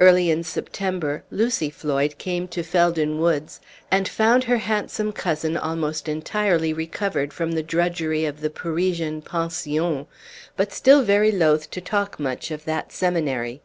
Early in September Lucy Floyd came to Felden Woods, and found her handsome cousin almost entirely recovered from the drudgery of the Parisian pension, but still very loath to talk much of that seminary.